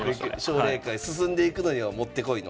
奨励会進んでいくのには持って来いの。